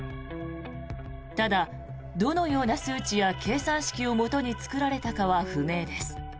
ただ、どのような数値や計算式をもとに作られたかは不明です。